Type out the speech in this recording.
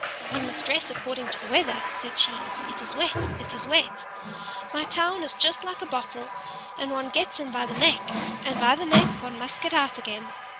"One must dress according to the weather," said she. "It is wet; it is wet. My town is just like a bottle; and one gets in by the neck, and by the neck one must get out again!